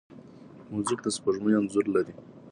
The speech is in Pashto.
موزیک د سپوږمۍ انځور لري.